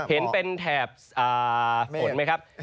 เห็นเป็นแถบฝนไหมครับ